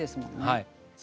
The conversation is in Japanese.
はい。